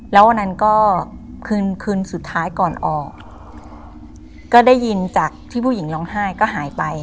แล้ววันนั้นก็คืนคืนสุดท้ายก่อนออกก็ได้ยินจากที่ผู้หญิงร้องไห้ก็หายไป